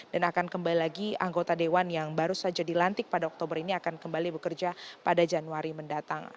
dan akan kembali lagi anggota dewan yang baru saja dilantik pada oktober ini akan kembali bekerja pada januari mendatang